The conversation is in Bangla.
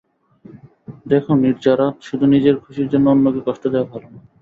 দেখো নির্জারা, শুধু নিজের খুশির জন্য অন্যকে কষ্ট দেওয়া ভালো না।